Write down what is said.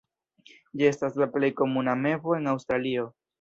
Ĝi estas la plej komuna mevo en Aŭstralio.